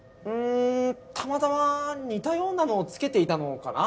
たまたま似たようなのをつけていたのかな。